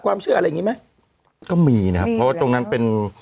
ความเชื่ออะไรอย่างงี้ไหมก็มีนะครับเพราะว่าตรงนั้นเป็น